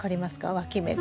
わき芽が。